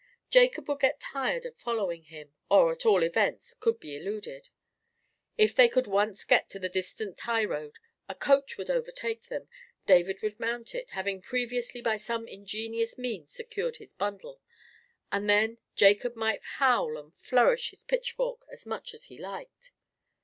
Jacob would get tired of following him, or, at all events, could be eluded. If they could once get to the distant highroad, a coach would overtake them, David would mount it, having previously by some ingenious means secured his bundle, and then Jacob might howl and flourish his pitchfork as much as he liked.